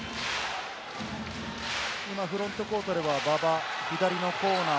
フロントコートでは馬場、左のコーナー。